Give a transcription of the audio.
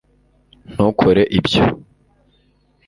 ntukore ibyo